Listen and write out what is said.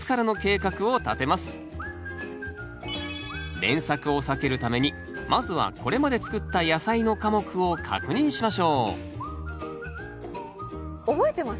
連作を避けるためにまずはこれまで作った野菜の科目を確認しましょう覚えてます？